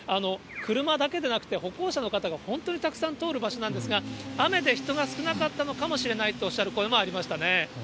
車だけでなくて、歩行者の方が本当にたくさん通る場所なんですが、雨で人が少なかったのかもしれないとおっしゃる声もありましたね。